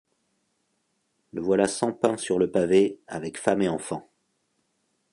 Le voilà sans pain sur le pavé avec femme et enfants.